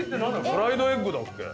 フライドエッグだっけ？